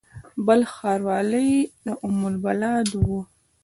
بلخ ښار ولې ام البلاد و؟